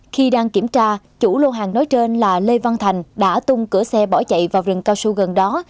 khi đang kiểm tra chủ lô hàng nói trên là lê văn thành đã tung cửa xe bỏ chạy vào rừng cao su gần đó